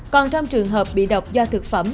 còn trong trường hợp bị độc do thực phẩm